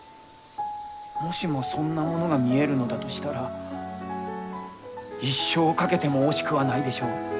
もしもそんなものが見えるのだとしたら一生を懸けても惜しくはないでしょう。